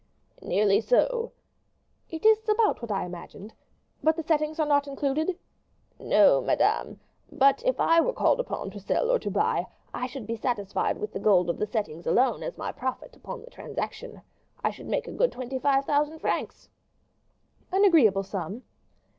"Nearly so." "It is about what I imagined but the settings are not included?" "No, madame; but if I were called upon to sell or to buy, I should be satisfied with the gold of the settings alone as my profit upon the transaction. I should make a good twenty five thousand francs." "An agreeable sum."